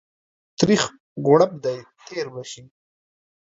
تريخ غړپ دى تير به سي.